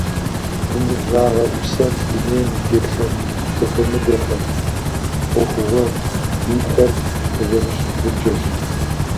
«Гумызагъэ» усэр дунейм и теплъэ зэхуэмыдэхэр, Ӏуэхугъуэ инхэр къызэрыщ гъуджэщ.